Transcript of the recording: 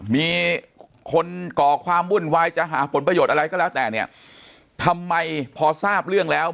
มีคนก่อความวุ่นวายจะหาผลประโยชน์อะไรก็แล้วแต่เนี่ยทำไมพอทราบเรื่องแล้ว